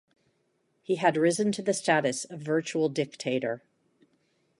He had risen to the status of virtual dictator.